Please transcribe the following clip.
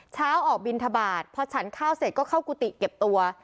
เช้าออกบินทบาทพอฉันข้าวเสร็จก็เข้ากุฏิเก็บตัว